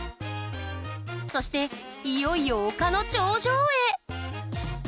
そしていよいよ丘の頂上へ！